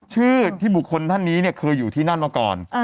ชื่อที่บุคคลท่านนี้เนี่ยเคยอยู่ที่นั่นมาก่อน